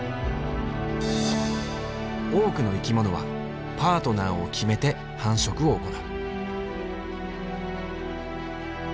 多くの生き物はパートナーを決めて繁殖を行う。